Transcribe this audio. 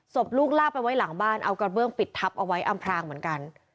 ศพลูกลากไปไว้หลังบ้านเอากระเบื้องปิดทับเอาไว้อำพรางเหมือนกัน